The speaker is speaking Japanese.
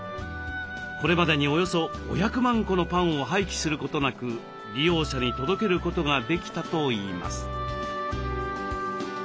これまでにおよそ５００万個のパンを廃棄することなく利用者に届けることができたといいます。